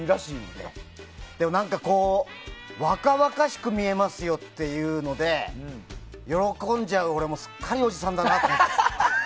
でも、若々しく見えますよっていうので喜んじゃう俺もすっかりおじさんだなって。